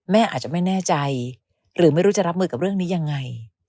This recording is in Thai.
อาจจะไม่แน่ใจหรือไม่รู้จะรับมือกับเรื่องนี้ยังไง